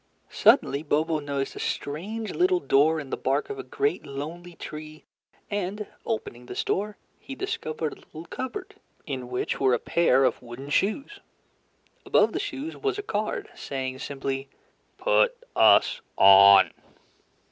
Suddenly Bobo noticed a strange little door in the bark of a great lonely tree, and, opening this door, he discovered a little cupboard in which were a pair of wooden shoes. Above the shoes was a card, saying simply, PUT US ON.